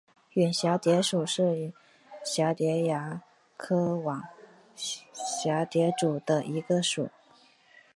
远蛱蝶属是蛱蝶亚科网蛱蝶族中的一个属。